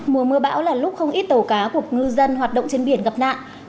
mùa mưa bão là lúc không ít tàu cá của ngư dân hoạt động trên biển gặp nạn